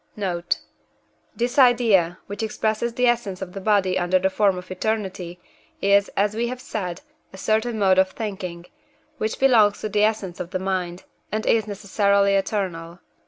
Note. This idea, which expresses the essence of the body under the form of eternity, is, as we have said, a certain mode of thinking, which belongs to the essence of the mind, and is necessarily eternal.